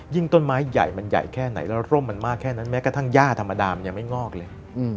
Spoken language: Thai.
ต้นไม้ใหญ่มันใหญ่แค่ไหนแล้วร่มมันมากแค่นั้นแม้กระทั่งย่าธรรมดามันยังไม่งอกเลย